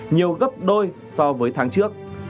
nhiều gấp đôi so với tháng trước